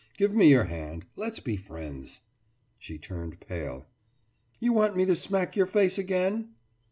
Give me your hand. Let's be friends.« She turned pale. »You want me to smack your face again?